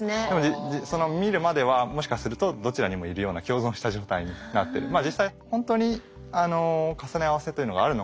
でも見るまではもしかするとどちらにもいるような共存した状態になってる。